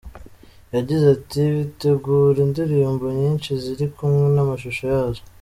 Yagize ati: "Bitegure indirimbo nyinshi ziri kumwe n'amashusho yazo".